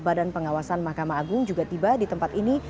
badan pengawasan mahkamah agung juga tiba di tempat ini